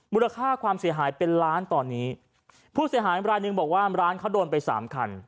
มูลค่าความเสียหายเป็นล้านตอนนี้ผู้เสียหายรายหนึ่งบอกว่าร้านเขาโดนไปสามคัน